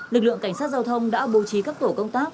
lực lượng cảnh sát giao thông đã bố trí các tổ công tác